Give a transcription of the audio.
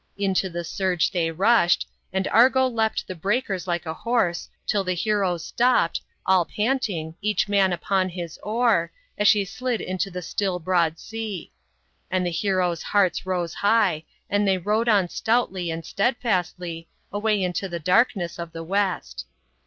" Into the surge they rushed, and Argo leapt the breakers like a horse, till the heroes stopped, all panting, each man upon his oar, as she slid into the still broad sea. And the heroes' hearts rose high, and they rowed on stoutly and steadfastly, ,away into the darkness of the West.